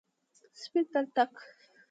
سپین تلتک،